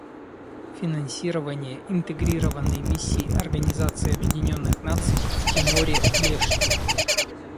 Финансирование Интегрированной миссии Организации Объединенных Наций в Тиморе-Лешти.